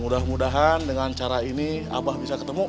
mudah mudahan dengan cara ini abah bisa ketemu